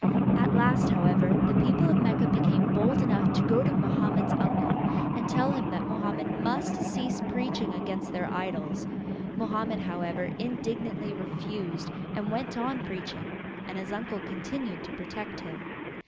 At last, however, the people of Mecca became bold enough to go to Mohammed's uncle and tell him that Mohammed must cease preaching against their idols. Mohammed, however, indignantly refused, and went on preaching, and his uncle continued to protect him.